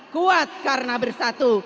kuat karena bersatu